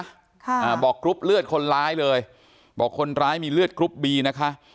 อ่าบอกกรุ๊ปเลือดคนร้ายเลยบอกคนร้ายมีเลือดกรุ๊ปบีนะคะ